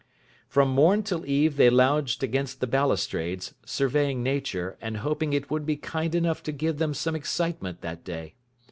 From morn till eve they lounged against the balustrades, surveying nature, and hoping it would be kind enough to give them some excitement that day.